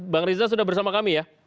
bang rizal sudah bersama kami ya